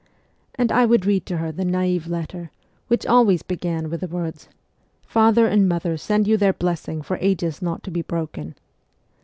And I would read to her the naive letter, which always began with the words, ' Father and mother send you their blessing for ages not to be broken.'